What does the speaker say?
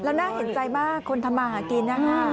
แล้วน่าเห็นใจมากคนทำมาหากินนะคะ